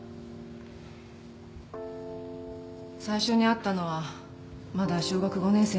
最初に会ったのはまだ小学５年生のころ。